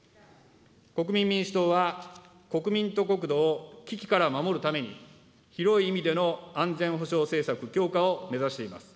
国民民主党は、国民と国土を危機から守るために、広い意味での安全保障政策強化を目指しています。